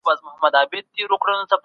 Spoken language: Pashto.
نړۍ اوسني حالت ته ګوري.